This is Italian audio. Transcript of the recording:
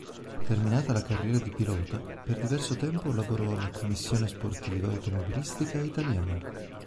Terminata la carriera di pilota, per diverso tempo lavorò alla Commissione Sportiva Automobilistica Italiana.